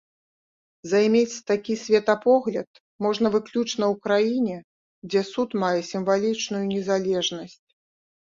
Займець такі светапогляд можна выключна ў краіне, дзе суд мае сімвалічную незалежнасць.